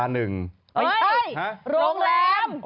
โรงแรม